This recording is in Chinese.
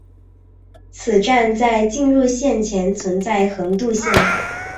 此站在进入线前存在横渡线。